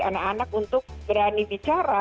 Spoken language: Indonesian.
anak anak untuk berani bicara